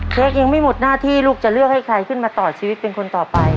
เค้กยังไม่หมดหน้าที่ลูกจะเลือกให้ใครขึ้นมาต่อชีวิตเป็นคนต่อไป